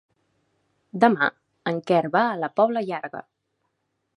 Demà en Quer va a la Pobla Llarga.